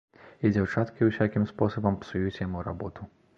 І дзяўчаткі ўсякім спосабам псуюць яму работу.